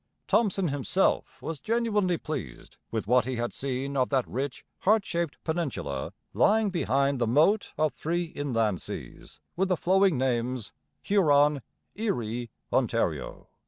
Thomson himself was genuinely pleased with what he had seen of that rich, heart shaped peninsula lying behind the moat of three inland seas, with the flowing names, Huron, Erie, Ontario.